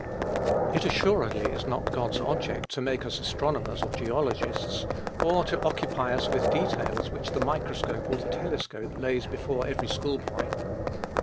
It, assuredly, is not God's object to make us astronomers or geologists; or to occupy us with details which the microscope or the telescope lays before every school boy.